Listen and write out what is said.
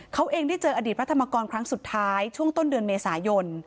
เขาเองได้เจออดีตพระธรรมกรครั้งสุดท้ายช่วงต้นเดือนเมษายน